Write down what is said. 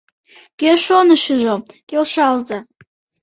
Кӧ шонышыжо, келшалза.